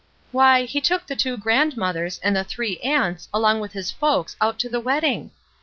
''Why, he took the two grandmothers and the three aunts along with his folks out to the wedding